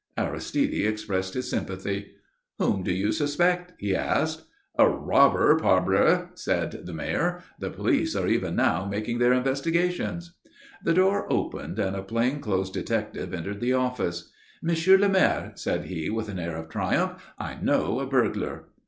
Aristide expressed his sympathy. "Whom do you suspect?" he asked. "A robber, parbleu!" said the Mayor. "The police are even now making their investigations." The door opened and a plain clothes detective entered the office. "Monsieur le Maire," said he, with an air of triumph, "I know a burglar."